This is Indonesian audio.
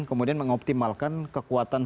kemudian mengoptimalkan kekuatan